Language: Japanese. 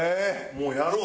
もうやろう！